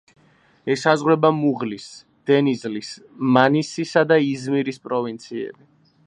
ესაზღვრება მუღლის, დენიზლის, მანისისა და იზმირის პროვინციები.